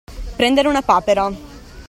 Prendere una papera.